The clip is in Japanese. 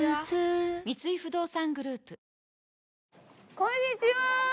こんにちは。